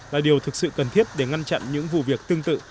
là điều thực sự cần thiết để ngăn chặn những vụ việc tương tự